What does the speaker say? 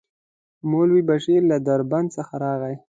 مولوي بشير له دربند څخه راغی.